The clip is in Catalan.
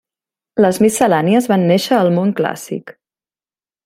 Les miscel·lànies van néixer al món clàssic.